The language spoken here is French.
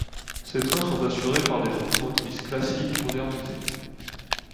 Ces trains sont assurés par des automotrices classiques modernisées.